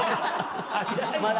まだ？